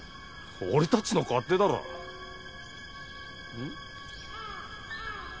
俺たちの勝手だろう。